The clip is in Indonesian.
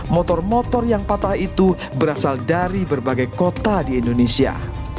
motor motor yang patah itu berasal dari berbagai kota di indonesia